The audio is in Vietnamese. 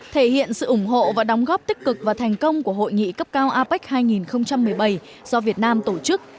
thể hiện sự ủng hộ và đóng góp tích cực và thành công của hội nghị cấp cao apec hai nghìn một mươi bảy do việt nam tổ chức